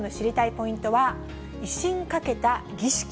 ポイントは、威信かけた儀式。